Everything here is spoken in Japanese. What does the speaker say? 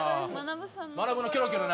まなぶさんのキョロキョロ。